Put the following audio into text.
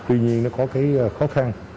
tuy nhiên nó có cái khó khăn